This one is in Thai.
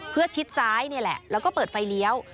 เพื่อชิดซ้ายนี่แหละแล้วก็เปิดไฟเลี้ยว